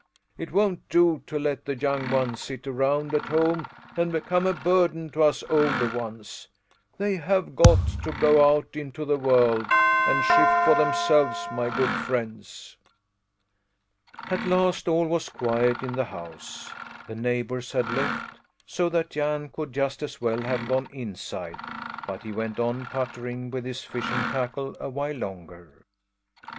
It won't do to let the young ones sit around at home and become a burden to us older ones. They have got to go out into the world and shift for themselves my good friends." At last all was quiet in the house. The neighbours had left, so that Jan could just as well have gone inside; but he went on puttering with his fishing tackle a while longer.